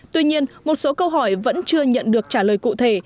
tuy nhiên một số câu hỏi vẫn chưa nhận được trả lời cụ thể